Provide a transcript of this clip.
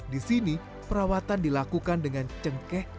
di sini perawatan dilakukan dengan cengkeh